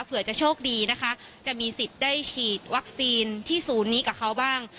เผื่อจะโชคดีนะคะจะมีสิทธิ์ได้ฉีดวัคซีนที่ศูนย์นี้กับเขาบ้าง